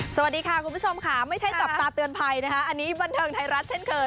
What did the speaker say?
สวัสดีค่ะคุณผู้ชมค่ะไม่ใช่จับตาเตือนภัยนะคะอันนี้บันเทิงไทยรัฐเช่นเคย